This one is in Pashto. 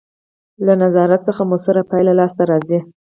له نظارت څخه مؤثره پایله لاسته راځي.